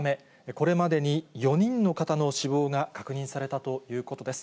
これまでに４人の方の死亡が確認されたということです。